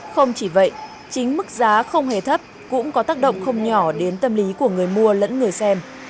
không chỉ vậy chính mức giá không hề thấp cũng có tác động không nhỏ đến tâm lý của người mua lẫn người xem